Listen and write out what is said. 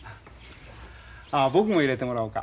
あ僕も入れてもらおか。